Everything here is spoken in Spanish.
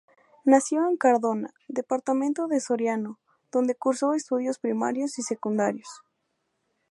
Nació en Cardona, departamento de Soriano, donde cursó estudios primarios y secundarios.